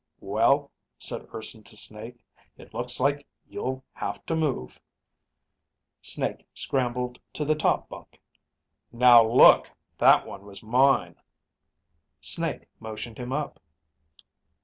"Well," said Urson to Snake, "it looks like you'll have to move." Snake scrambled to the top bunk. "Now look, that one was mine." Snake motioned him up.